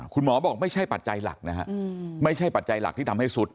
คุณหมอบอกไม่ใช่ปัจจัยหลักนะฮะไม่ใช่ปัจจัยหลักที่ทำให้สุด